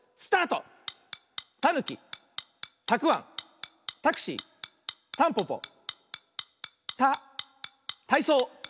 たぬきたくあんタクシーたんぽぽたたいそうた。